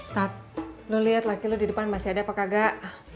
tat lo liat laki lo di depan masih ada apa kagak